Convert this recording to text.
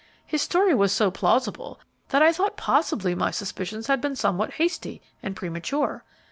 His story was so plausible that I thought possibly my suspicions had been somewhat hasty and premature.